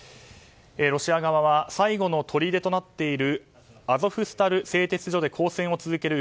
ロシア側は最後のとりでとなっているアゾフスタリ製鉄所で抗戦を続ける